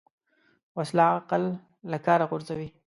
وسله عقل له کاره غورځوي